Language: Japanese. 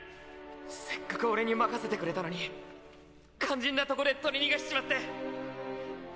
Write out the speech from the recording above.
せっかく俺に任せてくれたのに肝心なとこで取り逃がしちまって。